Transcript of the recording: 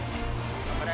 頑張れ！